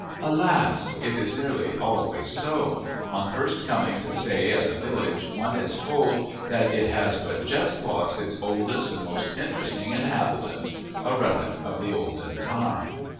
Alas! it is nearly always so; on first coming to stay at a village one is told that it has but just lost its oldest and most interesting inhabitant a relic of the olden time.